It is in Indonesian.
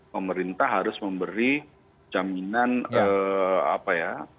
pemerintah harus memberi jaminan apa ya